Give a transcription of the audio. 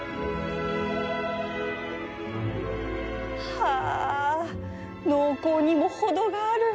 はあ濃厚にも程がある